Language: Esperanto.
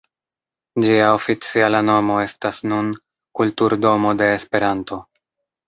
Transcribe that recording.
Ĝia oficiala nomo estas nun “Kulturdomo de Esperanto”.